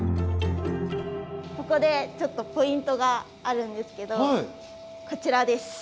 ここでちょっとポイントがあるんですけどこちらです。